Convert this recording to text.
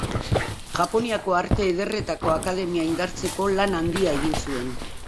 Japoniako Arte Ederretako Akademia indartzeko lan handia egin zuen.